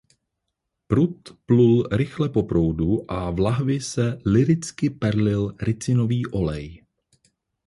Prut plul rychle po proudu a v lahvi se lyricky perlil ricinový olej.